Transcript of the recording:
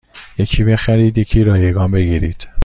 یکی بخرید یکی رایگان بگیرید